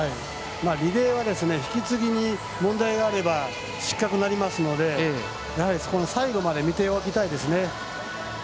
リレーは引き継ぎに問題があれば失格になりますのでやはり最後まで見ておきたいです。